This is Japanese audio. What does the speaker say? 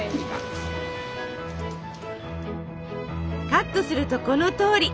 カットするとこのとおり。